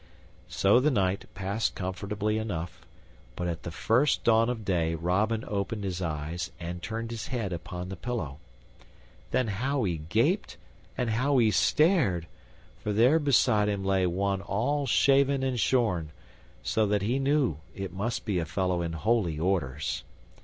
So the night passed comfortably enough, but at the first dawn of day Robin opened his eyes and turned his head upon the pillow. Then how he gaped and how he stared, for there beside him lay one all shaven and shorn, so that he knew that it must be a fellow in holy orders.